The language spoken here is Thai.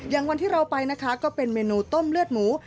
อย่างวันที่เราไปนะคะก็เป็นเมนูต้มเลือดหมู